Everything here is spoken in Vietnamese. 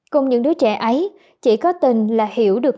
cùng những đứa trẻ ấy chỉ có tên là hiểu được